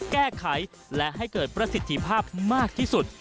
แก้ไขและให้เกิดประสิทธิภาพมากที่สุด